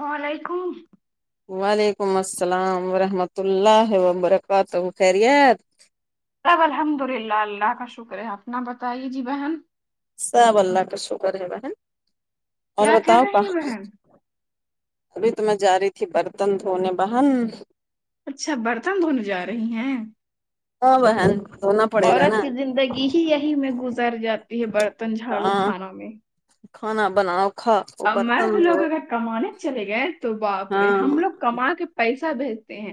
وعلیکم وعلیکم السلام ورحمۃ اللہ وبرکاتہ خیریت سب الحمد للہ اللہ کا شکر ہے اپنا بتائیے جی بہن سب اللہ کا شکر ہے بہن اور کیا کر بتاؤ رہی ہیں کہاں بہن ابھی تو میں جا رہی تھی برتن دھونے بہن اچھا برتن دھونے جا رہی ہیں ہاں بہن دھونا پڑے گا عورت نا کی زندگی ہی یہی میں گزر جاتی ہے برتن جھاڑو ہاں کھانا میں کھانا بناؤ کھا برتن مرد دھو لوگ اگر کمانے چلے گئے تو باپ رے ہاں ہم لوگ کما کے پیسہ بھیج ہیں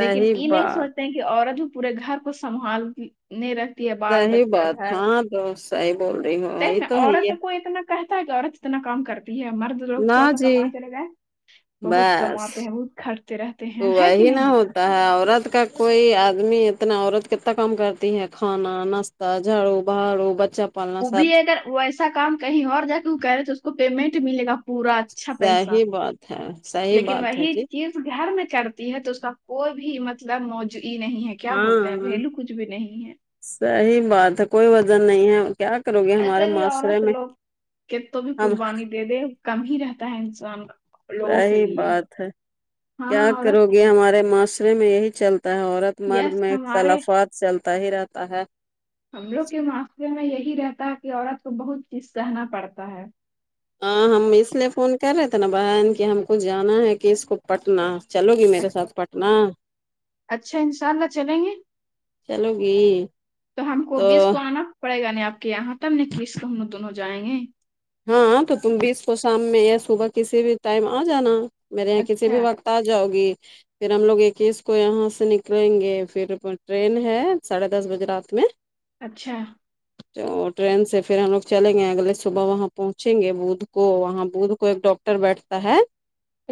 لیکن یے نہیں بات سوچتے ہیں کہ عورت جو پورے گھر کو سنبھال تی نے رکھ تی ہے بال صحیح بچہ بات گھر ہاں تو صحیح بول رہی ہو یہ تو ہے ہی عورت ہے کو اتنا کہتا ہے کہ عورت اتنا کام کرتی ہے مرد لوگ نہ تھوڑا سا جی کما چلے گئے بہت بس کماتے ہیں بہت خرچے رہتے ہیں ہے کی نہیں تا ہے عورت کا کوئی آدمی اتنا عورت کتنا کام کرتی ہے کھانا انس جھاڑو بہاڑو بچہ پالنا وہ سب بھی اگر وہ ایسا کام کہیں اور جا کے وہ کرے تو اس کو پیمنٹ ملے گا پورا اچھا پیسہ صحیح بات ہے صحیح لیکن بات ہے وہی جی چیز گھر میں کرتی ہے دوسرا کوئی بھی مطلب موجود ہی نہیں ہے کیا بولتے ہیں ہاں ویلو کچھ بھی نہیں ہے صحیح بات ہے کوئی وزن نہیں ہے کیا کرو گے ہمارے ایسے بھی معاشرے عورت میں لوگ کہ تو بھی ہم قربانی دے دے کم ہی رہتا ہے انسان کا رہی بات ہے کیا ہاں کرو عورت گی ہمارے معاشرے میں یہی چلتا ہے عورت مرد یس میں ایک ہمارے اقتلافت چلتا ہی رہتا ہے ہم لوگ کے معاشرے میں یہی رہتا ہے کہ عورت کو بہت چیز سہنا پڑتا ہے ہاں ہم اس لیے فون کر رہے تھے نا بہن کہ ہم کو جانا ہے کہ اس کو پٹنہ چلو گی میرے ساتھ پٹنہ اچھا انشاء اللہ چلیں گے چلو گی ہم کو تو بیس کو آنا پڑے گا نہیں آپ کے یہاں [unintelligible] کلیس ہم لوگ دونوں جائیں گے ہاں تو تم بھی اس کو شام میں یا صبح کسی بھی ٹائم آ جانا میرے یہاں کسی بھی اچھا وقت اجاؤ گی پھر ہم لوگ اکیس کو یہاں سے نکلیں گے پھر ٹرین ہے ساڑھے دس بجے رات میں اچھا تو ٹرین سے پھر ہم لوگ چلیں گئے اگلے صبح وہاں پہنچیں گے بدھ کو وہاں بدھ کو ایک ڈاکٹر بیٹھتا ہے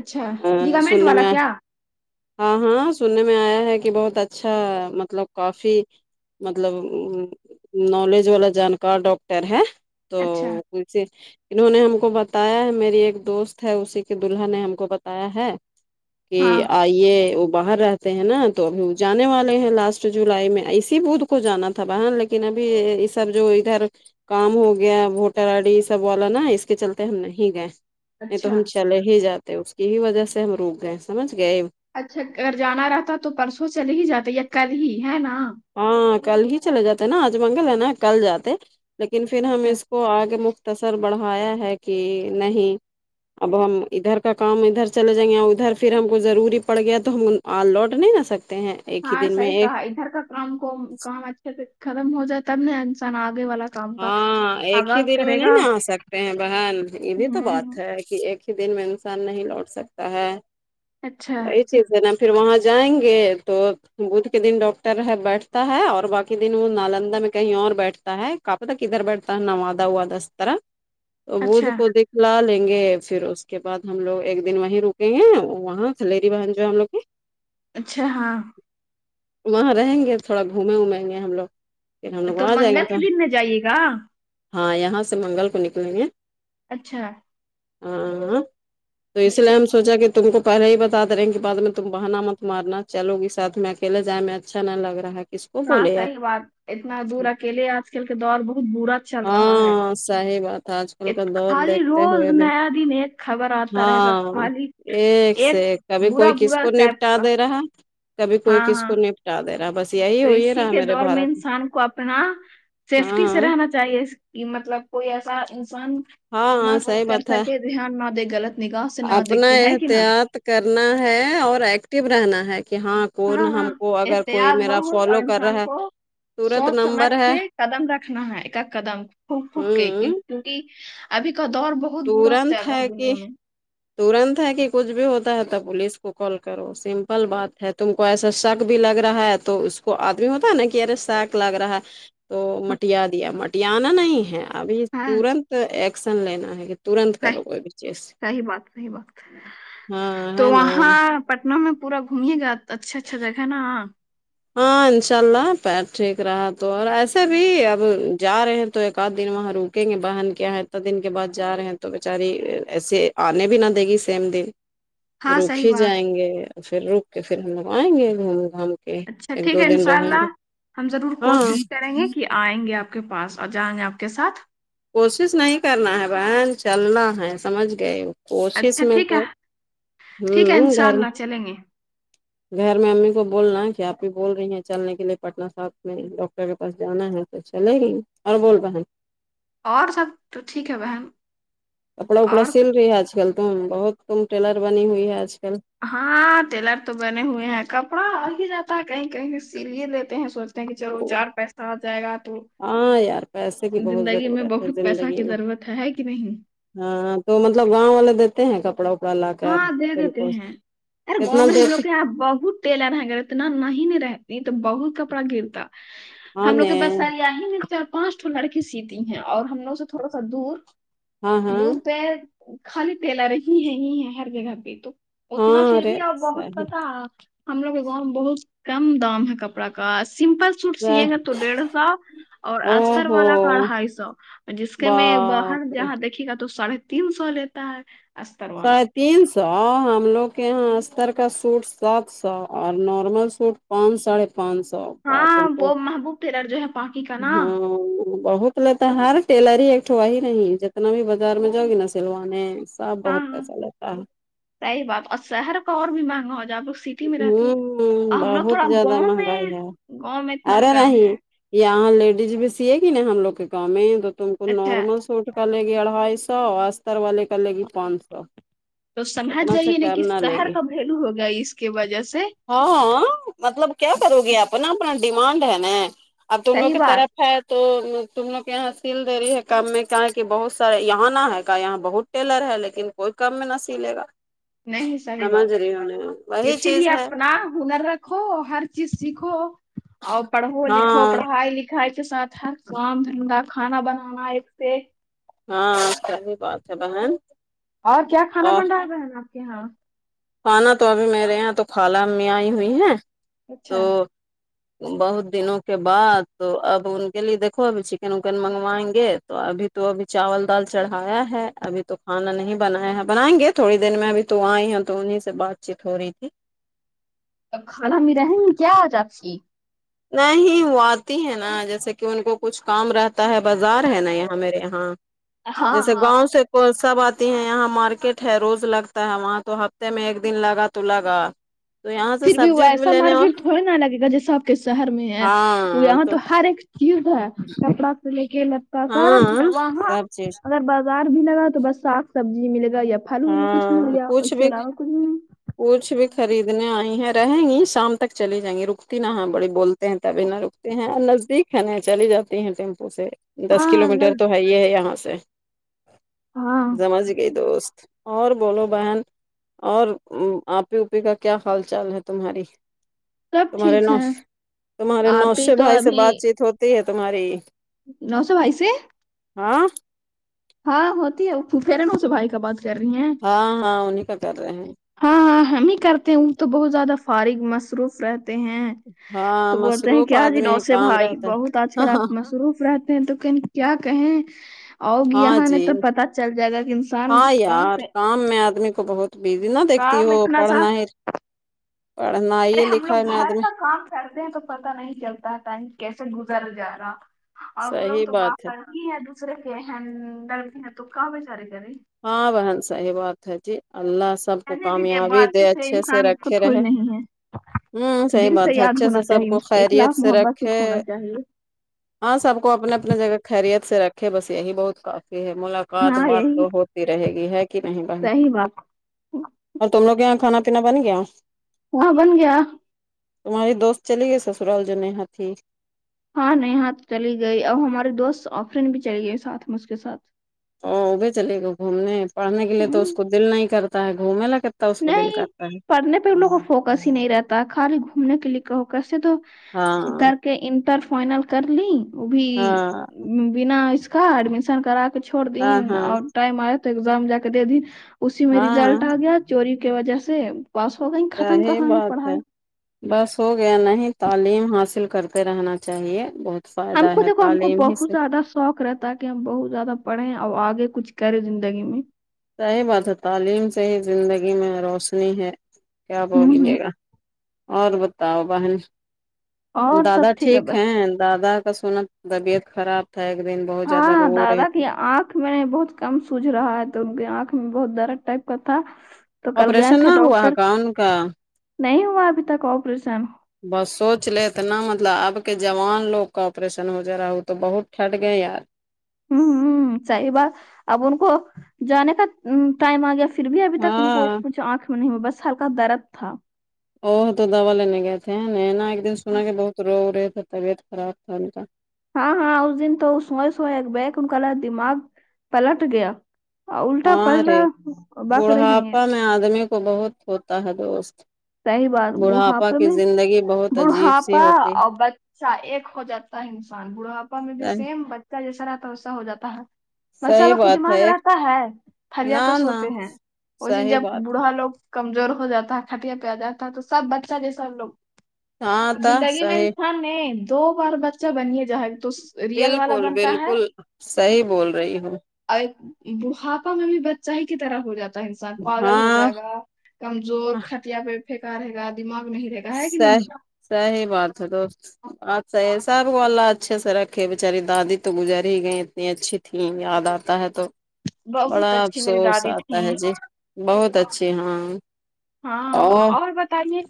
اچھا ہمم لیگامنٹ سننے والا میں آیا کیا ہاں ہاں سننے میں آیا ہے کہ بہت اچھا مطلب کافی مطلب نولیج والا جانکار ڈاکٹر ہے تو اچھا سے انہوں نے ہم کو بتایا ہے میری ایک دوست ہے اسی کے دلہا نے ہم کو بتایا ہے کی ہاں آئی یے وہ باہر رہتے ہیں نا تو ابھی وہ جانے والے ہیں لاسٹ جولائی میں ایسی بت کو جانا تھا بہن لیکن ابھی یے سب جو ادھر کام ہو گیا ووٹر آڈیس سب والا نا اس کے چلتے ہم نہیں گئے نہیں تو اچھا ہم چلے ہی جات تے اس کی ہی وجہ سے ہم روک گئے سمجھ گئے اچھا اگر جانا رہتا تو پرسوں چلے ہی جاتے یا کل ہی ہے نا ہاں کل ہی چلے جاتے نا آج منگل ہے نا کل جاتے لیکن پھر ہم اچھا اس کو آگے مت بڑھایا ہے کہ نہیں [unintelligible] اب ہم ادھر کا کام ادھر چلے جائیں اور ادھر پھر ہم کو ضروری پڑ گیا تو ہم اور لوٹ نہیں آ سکتے ہیں ایک ہی دن میں ایک گھر کا کام کو کام اچھے سے ختم ہو جائے تب نا انسان آگے والا کام کا ہاں ایک ہی آغاز دن میں کرے نہیں گا ن آ سکتے ہیں بہن یے بھی تو بات ہوں ہے کی ایک ہی دن میں انسان نہیں لوٹ سکتا ہے اچھا چھے جنم پھر وہاں جائیں گے تو بدھ کے دن ڈاکٹر ہے بیٹھتا ہے اور باقی دن وہ نالندہ میں کہیں اور بیٹھتا ہے کب تک ادھر بیٹھتا [unintelligible] دسترا تو بود اچھا کو دیکھ لا لیں گے پھر اس کے بعد ہم لوگ ایک دن وہی رکیں گے وہاں خلیری بہن جو ہے ہم لوگ کی اچھا ہاں وہاں رہیں گے تھوڑا گھومے وومگے ہم لوگ پھر ہم لوگ کل آ جائیں منگل گے تو کے دن میں جائیے گا ہاں یہاں سے منگل کو نکلیں گے اچھا ہاں تو اس اچھا لیے ہم سوچا کہ تم کو پہلے ہی بتا دے رہے کہ بعد میں تم بہنا مت مارنا چلوی ساتھ میں اکیل جائے میں اچھا نہیں لگ رہا ہے کس کو ہاں بولے یار صحیح بات اتنا دور اکیلے آج کل کے دور بہت برا چل رہا ہے ہاں صحیح بات ہے آج کل کا ات- دور خالی دیکھتے روز ہوئے بھی نیا دن ایک خبر آتا رہے گا ہاں خالی ایک سے ایک کبھی برا کوئی کس برا کو ٹائپ نپٹا کا دے رہا کبھی کوئی ہاں کس ہاں کو نپٹا دے رہا بس یہی تو ہو ہی رہا اسی ہے کے میرے دور بھارت میں انسان کو اپنا سیفٹی سے ہاں رہنا چاہیے کی مطلب کوئی ایسا انسان ہاں نہ ہاں صحیح کر بات ہے سکے دھیان نہ دے غلط نگاح سے نہ دیک اپنا کے ہے کہ نہ احتیاط کرنا ہے اور ایکٹو رہنا ہے کہ ہاں کون ہم ہاں کو اگر کوئی احتیاط میرا بہت اور فالو کر انسان رہا ہے کو ترت سوچ سمجھ نمبر ہے کے قدم رکھنا ہے ایک اد قدم پھک پھک کے ہوں کیونکی ابھی کا دور بہت برا چل تورنت رہا ہے کہ دنیا میں ترنت ہے کہ کچھ بھی ہوتا ہے تو پولیس کو کال کرو سمپل بات ہے تم کو ایسا شک بھی لگ رہا ہے تو اس کو آدمی ہوتا ہے نا کہ ارے شک لگ رہا ہے تو مٹیا دیا مٹیانا نہیں ہے ابھی ہاں ترنت ایکشن لینا ہے ترنت صحی کرو کوئی بھی چیز صحیح بات صحیح بات تو ہاں ہے نا وہاں پٹنہ میں پورا گھمیے گا اچھا اچھا جگہ ہے نا ہاں انشاء اللہ پیر ٹھیک رہا تو اور ایسے بھی اب جا رہے ہیں تو ایک آدھ دن وہاں روک سکیں گے بہن کیا ہے اتنا دن کے بعد جا رہے ہیں تو بیچاری ایسے آنے بھی نہ دے گی سیم دن ہاں رک صحیح ہی بات جائیں گے پھر رک کے پھر ہم لوگ آئیں گے گھوم گھام کے اچھا ایک ٹھیک دو ہے ان دن شاء رہیں گے اللہ ہم ضرور ہاں کوشش کریں گے کہ آئیں گے آپ کے پاس اور جائیں گے آپ کے ساتھ کوشش نہیں کرنا ہے بہن چلنا ہے سمجھ گئے کوشش اچھا میں ٹھیک ہے تو ٹھیک ہے [unintelligible] گھر انشاءاللہ چلیں گے گھر میں امی کو بولنا ہے کہ آپی بول رہی ہیں چلنے کے لیے پٹن ساتھ میں ڈاکٹر کے پاس جانا ہے تو چلے گئی اور بول رہا اور سب تو ٹھیک ہے بہن کپڑا وپڑا اور سل رہی ہے آج کل تم بہت تم ٹیلر بنی ہوئی ہے آج کل ہاں ٹیلر تو بنے ہوئے ہیں کپڑا آ ہی جاتا ہے کہیں کہیں سلے لیتے ہیں سو [unintelligible] چار پیسہ آ جائے گا تو ہاں یار پیسے کی بہت زندگی میں ضرورت ہے بہت پیسہ کی زندگی میں ضرورت ہے کی نہیں ہاں تو مطلب گاؤں والے دیتے ہیں کپڑا وپڑا لا کر ہاں دے تم دیتے کو ہیں ارے کتنا گاؤں میں دیر ہم لوگ سے کے یہاں بہت تیلار [unintelligible] نہیں رہتی تو بہت کپڑا گرتا ہاں ہم لوگ نے کے پاس ساری ہی میں چار پانچ تو لڑکی سیتی ہیں اور ہم لوگ سے تھوڑا سا دور ہاں ہاں دور پے خالی تیلا رہ ہی ہے ہی ہے ہر جگہ پے تو اتنا ہاں پھر ارے بھی بہت پتہ ہم لوگ کے گاؤں میں بہت کم دام ہے کپڑا کا سمپل سوٹ سیئیگے او تو ڈیڑھ سو اور استر ہو والا کا اڑھائی سو جس کے میں باہر باپ رے جہاں دیکھے گا تو سڑے تین سو لیتا ہے استر والا ساڑھے تین سو ہم لوگ کے یہاں استر کا سوٹ سات سو اور نارمل سوٹ پانچ ساڑھے پانچ سو تم ہاں کو وہ محبوب ٹیلر جو ہے پاکی کا نا ہاں بہت لے تو ہر ٹیلر ہی ایکٹا ہی نہیں جتنا بھی بازار میں جؤ گی نا سلوانے سب ہاں بہت ہاں پیسہ لیتا ہے صحیح بات اور شہر اور بھی مانگا جا کو سی میں رہتی ہیں ہوں ہم لوگ بہت تھوڑا زیادہ گاؤں میں مہنگائی ہے گاؤں میں اتنا ارے کم نہیں ہے یہاں لیڈیز بھی سیے گی نا ہم لوگ کے گاؤں میں تو تم کو اچھا نارمل سوٹ کا لے گںی اڑھائی سو استر والے کا لے گںی پانچ سو تو سمجھ اتنا سے جائیے نا کم کہ نہ لے شہر گی کا بھیلو ہوگا اس کی وجہ سے ہاں ہاں مطلب کیا کرو گے آپ نا اپنا ڈیمانڈ ہے نا اب تم لوگ صحیح کی بات طرح ہے تو تم لوگ کے یہاں سیل دے رہی ہے کام میں کیا کہ بہت سارے یہاں نہ ہے کا یہاں بہت ٹیلر ہے لیکن کوئی کم میں نہ سلے گا نہیں صحیح سمجھ بات رہی ہونا نیہہ اسی لیے اپنا ہنر رکھو ہر چیز سیکھو اور پڑھو لکھو ہاں پڑھائی لکھائی کے ساتھ ہر کام دھندا کھانا بنانا ایک سےایک ہاں صحیح بات ہے بہن اور کیا اور کھانا پینا کھانا تو ابھی میرے یہاں تو خالہ امی آںی ہوئی ہیں اچھا ہے تو بہت دنوں کے بعد تو اب ان کے لے دیکھو چکن وکن منگوائیں گے تو ابھی تو ابھی چاول دال چڑھایا ہے ابھی تو کھانا نہیں بنایا ہے بنائیں گے تھوڑی دیر میں ابھی تو آئی ہے تو انہیں سے بات چیت ہو رہی تھی کھانہ میں رہیں گے کیا آج آپ کی وہی وہ آتی ہے نا جیسے کہ ان کو کچھ کام رہتا ہے بازار ہے نا یہاں میرے یہاں ہاں جیسے ہاں گاؤں سے سب آتی ہیں یہاں مارکیٹ ہے روز لگتا ہے وہاں تو ہفتے میں ایک دن لگا تو لگا تو یہاں سے پھر بھی وہ سبزی وبزی ایسا لینے اور مارکیٹ تھوڑی نالگے گا جیسا آپ شہر میں ہے وہ یہاں تو ہر ایک چیز ہے کپڑا سے لے کے سرکارم ہاں دوا ہے نہ سب چیز اگر بڑھ بازار بھی لگا تو بس صاف سبزی ملے گا یا پھل کچھ مل ہاں گیا کچھ اس کے بھی علاوہ کچھ بھی کچھ بھی خریدنے آئی ہیں رہیں گی شام تک چلی جائیں گی رکتی نہ ہیں بڑی بول تبھی نہ رکتے ہیں اور نزدیک ہے نہ چلی جاتی ہیں ٹیمپو سے دس کلو میٹر ہاں تو ہے ہی ہے یہاں سے ہاں سمجھ گئی دوست اور بولو بہن اور آپی اوپی کا کیا حال چال ہے تمہاری سب تمہارے ٹھیک نو ہے تمہارے آپ ہی نوشد تو بھائی سے بات چیت ہوتی ہے تمہاری نوشد بھائی سے ہاں ہاں ہوتی ہےفیرنو سے بھائی کا بات کر رہی ہیں ہاں ہاں انہیں کا کر رہے ہیں ہاں ہاں ہم ہی کرتے ہیں تو بہت زیادہ فارغ مصروف رہتے ہیں ہاں تو بولتے ہیں مصروف کیا جی آدمی ہے نوشد کام بھائی رہتا ہے بہت آج ہاں کل ہاں آپ مصروف رہتے ہیں تو لیکن کیا کہیں آؤ گی ہاں یہاں نے جی تب پتا چل جائے گا کہ انسان ہاں یار پہ کام میں آدمی کو بہت بیوی نہ دیکھتی کام ہو اتنا سا پڑھنا ہے پڑھنا ہی ہے ارے ہم لکھا لوگ ہے آد گھر میں کا کام کرتے ہیں تو پتہ نہیں چلتا ٹائم کیسے گزر جا رہا اور وہ لوگ صحیح تو بات باہر ای ہے دوسرے کے ہے ہمدرد تو کا بیچارے کرے ہاں بہن صحیح بات ہے جی اللہ سے سب کو رہنے دیجیے کامیابی بات دے اچھے سے انسان کو رکھے تھوڑی رہے نہیں ہوں ہے صحیح دل بات ہے یاد اچھے سے ہونا سب کو چاہیے خیریت اخلاق سے محبت رکھے کچھ ہونا چاہیے ہاں سب کو اپنے اپنے جگہ خیریت سے رکھے بس یہی بہت کافی ہے ملاقات ہاں بات یہی تو ہوتی رہے گی ہے کہ نہیں بہن صحیح بات اور تم لوگ کے یہاں کھانا پینا بن گیا وہاں بن گیا تمہاری دوست چلی گئی سسرال جو نیہا تھی ہاں نیہا تو چلی گئی اور ہمارے دوست آفرین بھی چلی گئی ساتھ میں اس کے ساتھ او وہ بھی چلے گا گھومنے پڑھنے کے لیے تو اس ہوں کو دل نہیں کرتا ہے گھومنے لکت نہیں پڑھنے پہ ان لوگوں کو فوکس ہی نہیں رہتا ہے خالی گھومنے کے لیے کہو کسے تو ہاں کر کے انٹر فائنل کر لی وہ بھی ہاں بنا اس کا ایڈمیشن کرا ہاں چھوڑدین ہاں اور ٹائم آیا تو ایگزام جا کے دے دی اسی میں ہاں ریزلٹ آ گیا چوری کی وجہ سے پاس ہو گئی ختم صحیح کہانی بات ہے پڑھائی بس ہو گیا نہیں تعلیم حاصل کرتے رہنا چاہیے بہت فائدہ ہم کو ہے دیکھو ہم کو تعلیم ہی بہت سے زیادہ س شوق رہتا ہے کہ ہم بہت زیادہ پڑہیں اور آگے کچھ کریں زندگی میں صحیح بات ہے تعلیم سے ہی زندگی میں روشنی ہے کیا ہوں ہوں بولیے گا اور بتاؤ بہن اور دادا سب ہے بھائی ٹھیک ہیں دادا کا سنا طبیعت خراب تھا ایک دن بہت زیادہ ہاں رو دادا رہے تھے کی آنکھ میں بہت کم سوج رہا ہے تو ان کے آنکھ میں بہت درد ٹائپ کا تھا تو کل گئے آپریشن تھے نہ ہوا ہے ڈاکٹر کا ان کا نہیں ہوا ابھی تک آپریشن بس سوچ لے اتنا مطلب اب کے جوان لوگ کا آپریشن ہو جا رہا ہے وہ تو بہت ٹھٹ گئے یار ؤں ہوں صحیح بات اب ان کو جانے کا وں ٹائم آ گیا پھر بھی ابھی تک ان کو ہاں کچھ آنکھ میں نہیں ہوا بس ہلکا درد تھا او تو دوا لینے گئے تھے نہیں نا ایک دن سنا کہ بہت رو رہے تھے طبیعت خراب تھا ان کا ہاں ہاں اس دن تو سوئے سوئے بییک ان کا دماغ پلٹ گیا الٹا ہاں پلٹا رے بک رے ہیں یہ تو بہت ہوتا ہے دوست صحیح بات بڑھاپا بوڑھاپے کی میں زندگی بہت عجیب سی بڑھاپا ہوتی اور بچہ ایک ہو جاتا ہے انسان بڑھاپا میں بھی ہے۔ سیم ب چہ جیسا رہتا ویسا ہو جاتا ہے بچہ صحیح لوگ کو بات ہے دماغ ایک رہتا ہے پرییا نہ تو نہ سوتے ہیں ویسے صحیح جب بات بوڑھا لوگ کمزور ہو جاتا ہے کھٹیا پہ آ جاتا ہے تو سب بچہ جیسا وہ ہے ہاں لوگ تھا زندگی میں صحیح انسان ہے دو بار بچہ بنیے جہا بالکل بالکل صحیح بول رہی ہو اور بوڑھاپا میں بھی بچہ ہی کی طرح ہو جاتا ہے انسان پاگل ہو ہاں جائے گا کمزور کھٹیا پہ پہکا رہے گا دماغ نہیں رہے گا ہے کہ نہیں صحیح صحیح بات ہے دوست اچھا یہ سب وہ اللہ اچھے سے رکھے بچاری دادی تو گزر ہی گئی اتنی اچھی تھیں یاد آتا ہے تو بڑا بہت اچھی میری افسوس دادی آتا تھی ہے جی بہت اچھی ہاں ہاں اور بتائیے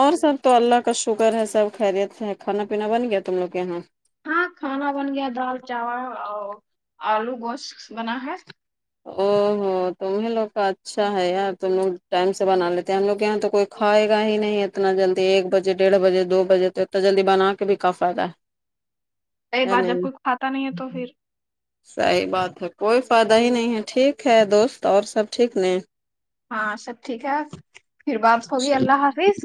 اور سب تو اللہ کا شگر ہے سب خیریت سے ہے کھانا پینا بن گیا تم لوگ کے یہاں ہاں کھانا بن گیا دال چاول اور آلو گوشت بنا ہے او ہو تمہیں لوگ کا اچھا ہے یار تم لوگ ٹائم سے بنا لیتے ہم لوگ یہاں تو کوئی کھائے گا ہی نہیں اتنا جلدی ایک بجے ڈیڑھ بجے دو بجے تو اتنا جلدی بنا کے بھی کا فائدہ کوئی ہے ہے بات جب نہیں کو پتہ نہیں ہے تو پھر صحیح بات ہے کوئی فائدہ ہی نہیں ہے ٹھیک ہے دوست اور سب ٹھیک نہیں ہاں سب ٹھیک ہے پھر بات ہوگی اللہ حافظ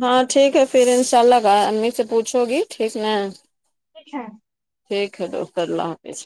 ہاں ٹھیک ہے پھر ان شاء اللہ ب امی سے پوچھو گی ٹھیک نہ ٹھیک ہے ٹھیک ہے تو اوکے اللہ حافظ